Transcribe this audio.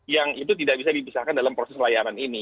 yang itu tidak bisa dipisahkan dalam proses layanan ini